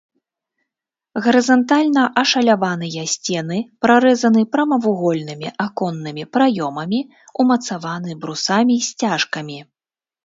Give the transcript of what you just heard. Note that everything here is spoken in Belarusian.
Гарызантальна ашаляваныя сцены прарэзаны прамавугольнымі аконнымі праёмамі, умацаваны брусамі-сцяжкамі.